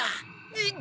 えっ。